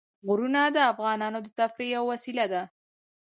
غرونه د افغانانو د تفریح یوه وسیله ده.